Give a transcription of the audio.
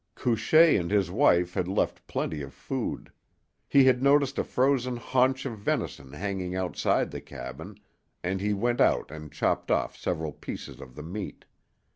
Couchée and his wife had left plenty of food. He had noticed a frozen haunch of venison hanging outside the cabin, and he went out and chopped off several pieces of the meat.